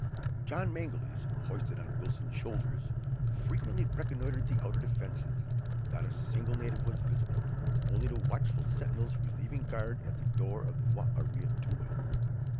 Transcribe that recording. John Mangles, hoisted on Wilson's shoulders, frequently reconnoitered the outer defences. Not a single native was visible; only the watchful sentinels relieving guard at the door of the Ware Atoua.